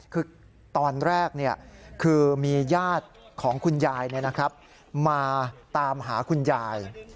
คือตอนแรกคือมีญาติของคุณยายมาตามหาคุณยาย